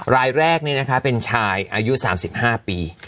รายแรกเป็นชายอายุ๓๕ปี